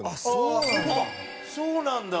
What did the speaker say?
あっそうなんだ！